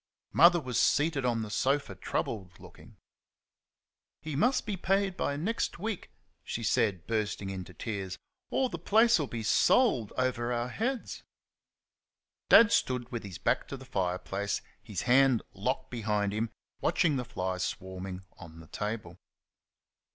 Mother was seated on the sofa, troubled looking. "He must be paid by next week," she said, bursting into tears, "or the place'll be sold over our heads." Dad stood with his back to the fire place, his hand locked behind him, watching the flies swarming on the table.